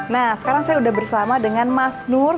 nah sekarang saya udah bersama dengan mas nusantara